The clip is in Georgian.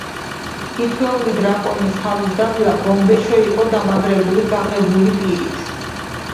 თითეული დრაკონის თავის დაბლა გომბეშო იყო დამაგრებული, გაღებული პირით.